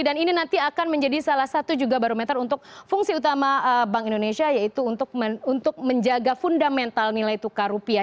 dan ini nanti akan menjadi salah satu juga barometer untuk fungsi utama bank indonesia yaitu untuk menjaga fundamental nilai tukar rupiah